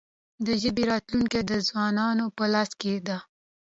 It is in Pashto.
د ژبې راتلونکې د ځوانانو په لاس کې ده.